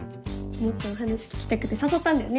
もっとお話聞きたくて誘ったんだよね。